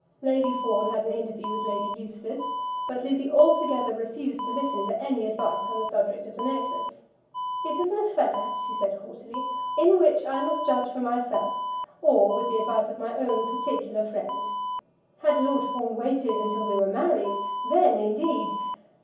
Lady Fawn had an interview with Lady Eustace, but Lizzie altogether refused to listen to any advice on the subject of the necklace. "It is an affair," she said haughtily, "in which I must judge for myself, or with the advice of my own particular friends. Had Lord Fawn waited until we were married; then indeed